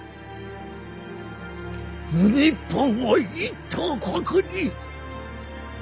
日本を一等国に。